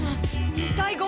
２対５！